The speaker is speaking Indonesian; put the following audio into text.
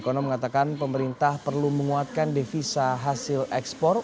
kono mengatakan pemerintah perlu menguatkan devisa hasil ekspor